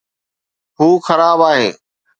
هو خراب آهي